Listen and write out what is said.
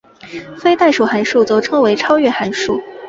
非代数函数则称为超越函数。